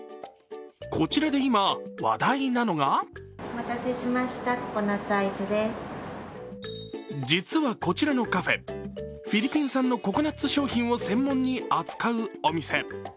こちらで今、話題なのが実はこちらのカフェ、フィリピン産のココナッツ商品を専門に扱うお店。